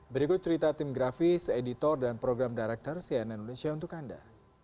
berikut cerita tim grafis editor dan program director cnn indonesia untuk anda